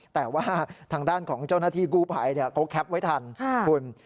แต่ว่าทางด้านของเจ้าหน้าที่กู้ภัยเขาแคปไว้ทันคุณ